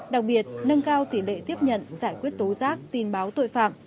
đặc biệt nâng cao tỷ lệ tiếp nhận giải quyết tố giác tin báo tội phạm